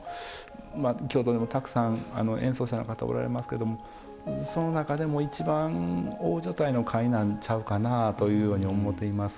まあ京都にもたくさん演奏者の方おられますけどもその中でも一番大所帯の会なんちゃうかなというように思ています。